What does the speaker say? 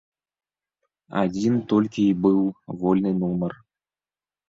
Адзін толькі й быў вольны нумар.